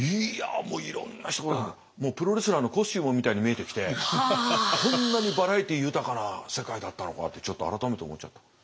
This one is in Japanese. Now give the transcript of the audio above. いやいろんな人がプロレスラーのコスチュームみたいに見えてきてこんなにバラエティー豊かな世界だったのかってちょっと改めて思っちゃった。